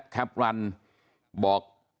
แถบนัดบอก